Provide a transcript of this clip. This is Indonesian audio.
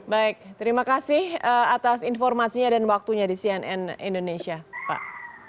baik terima kasih atas informasinya dan waktunya di cnn indonesia pak